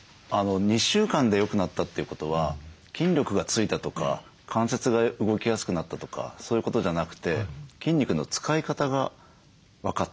２週間でよくなったということは筋力が付いたとか関節が動きやすくなったとかそういうことじゃなくて筋肉の使い方が分かった。